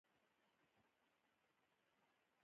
هېچا هم توان نه درلود چې توپک وګواښي او پاټک وسکونډي.